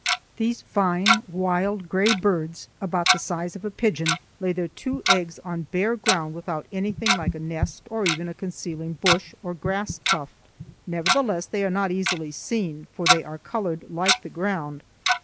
These fine wild gray birds, about the size of a pigeon, lay their two eggs on bare ground without anything like a nest or even a concealing bush or grass tuft. Nevertheless they are not easily seen, for they are colored like the ground.